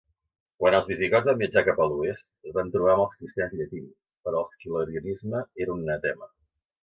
Quan els visigots van viatjar cap a l'oest, es van trobar amb els cristians llatins, per als qui l'arianisme era un anatema.